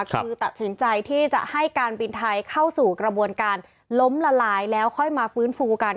คือตัดสินใจที่จะให้การบินไทยเข้าสู่กระบวนการล้มละลายแล้วค่อยมาฟื้นฟูกัน